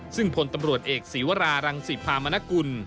ซึ่งพลตำรวจเอกศีวรารังศิพามนกุล